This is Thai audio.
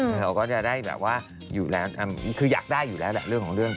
เราก็จะได้แบบว่าอยู่แล้วคืออยากได้อยู่แล้วแหละเรื่องของเรื่อง